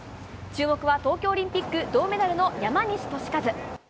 注目は東京オリンピック銅メダルの山西利和。